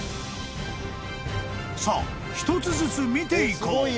［さあ一つずつ見ていこう］